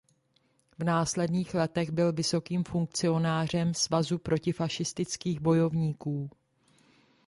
V následných letech byl vysokým funkcionářem Svazu protifašistických bojovníků.